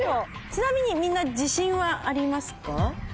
ちなみにみんな自信はありますか？